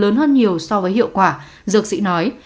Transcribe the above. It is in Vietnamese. nhiều so với hiệu quả dược sĩ nói